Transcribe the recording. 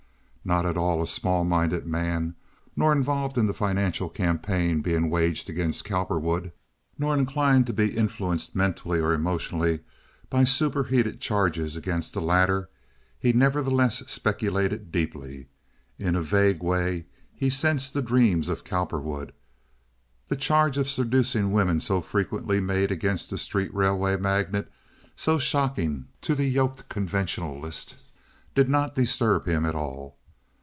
Not at all a small minded man, nor involved in the financial campaign being waged against Cowperwood, nor inclined to be influenced mentally or emotionally by superheated charges against the latter, he nevertheless speculated deeply. In a vague way he sensed the dreams of Cowperwood. The charge of seducing women so frequently made against the street railway magnate, so shocking to the yoked conventionalists, did not disturb him at all.